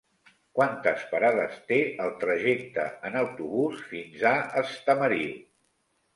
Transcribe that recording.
Quantes parades té el trajecte en autobús fins a Estamariu?